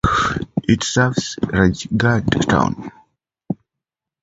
It serves Rajgarh town.